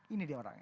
ini dia orangnya